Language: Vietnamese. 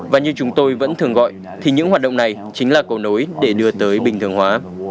và như chúng tôi vẫn thường gọi thì những hoạt động này chính là cầu nối để đưa tới bình thường hóa